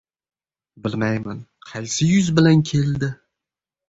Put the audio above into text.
Bilmayman, qaysi yuz bilan keldi.